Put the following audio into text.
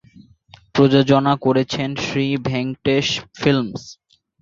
প্রযোজনা করেছেন শ্রী ভেঙ্কটেশ ফিল্মস।